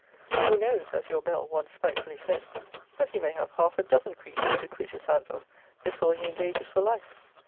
Who knows, as your Bell once spitefully said, but he may have half a dozen creatures to quit his hands of before he engages for life?